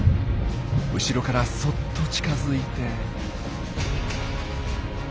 後ろからそっと近づいて。